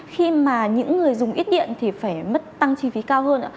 khi mà những người dùng ít điện thì phải mất tăng chi phí cao hơn